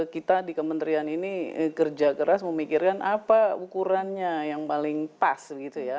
kita di kementerian ini kerja keras memikirkan apa ukurannya yang paling pas gitu ya